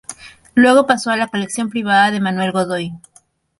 Luego pasó a la colección privada de Manuel Godoy.